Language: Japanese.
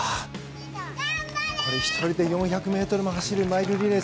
１人で４００ｍも走るマイルリレー